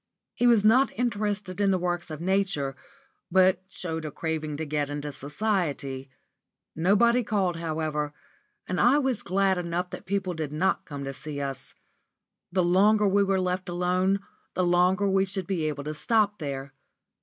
He was not interested in the works of Nature, but showed a craving to get into society. Nobody called, however, and I was glad enough that people did not come to see us. The longer we were left alone, the longer we should be able to stop there.